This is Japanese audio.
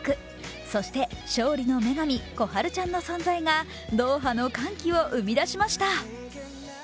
そして勝利の女神、心春ちゃんの存在がドーハの歓喜を生み出しました。